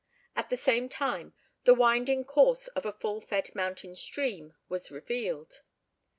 At the same time, the winding course of a full fed mountain stream was revealed.